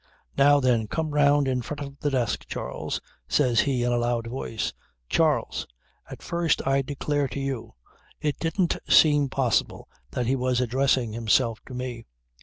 "Now then come round in front of the desk, Charles," says he in a loud voice. "Charles! At first, I declare to you, it didn't seem possible that he was addressing himself to me.